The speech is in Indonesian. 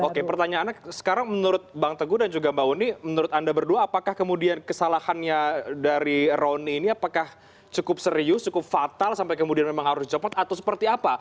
oke pertanyaannya sekarang menurut bang teguh dan juga mbak uni menurut anda berdua apakah kemudian kesalahannya dari rony ini apakah cukup serius cukup fatal sampai kemudian memang harus dicopot atau seperti apa